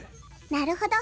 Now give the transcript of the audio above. なるほど！